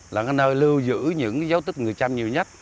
là cái nơi lưu giữ những dấu tích người trăm nhiều nhất